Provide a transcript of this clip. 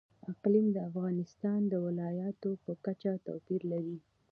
اقلیم د افغانستان د ولایاتو په کچه توپیر لري.